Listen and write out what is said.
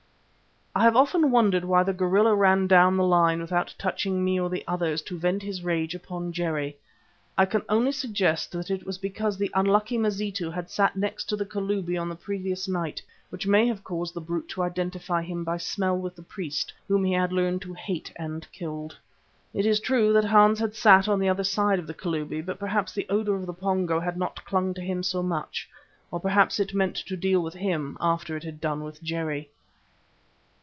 I have often wondered why the gorilla ran down the line without touching me or the others, to vent his rage upon Jerry. I can only suggest that it was because the unlucky Mazitu had sat next to the Kalubi on the previous night, which may have caused the brute to identify him by smell with the priest whom he had learned to hate and killed. It is true that Hans had sat on the other side of the Kalubi, but perhaps the odour of the Pongo had not clung to him so much, or perhaps it meant to deal with him after it had done with Jerry.